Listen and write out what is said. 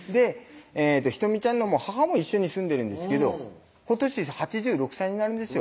仁美ちゃんの母も一緒に住んでるんですけど今年８６歳になるんですよ